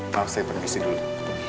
maaf saya permisi dulu